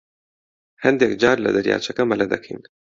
هەندێک جار لە دەریاچەکە مەلە دەکەین.